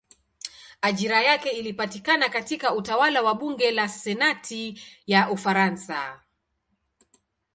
Ajira yake ilipatikana katika utawala wa bunge la senati ya Ufaransa.